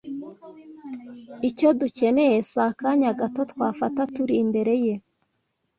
Icyo dukeneye si akanya gato twafata turi imbere ye